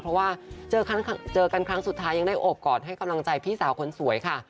เพราะว่าเจอกันครั้งสุดท้ายยังได้โอบกอดให้กำลังใจพี่สาวคนสวยค่ะ